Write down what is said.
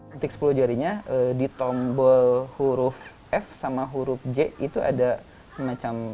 titik sepuluh jarinya di tombol huruf f sama huruf j itu ada semacam